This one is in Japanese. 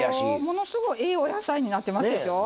ものすごいええお野菜になってますでしょ。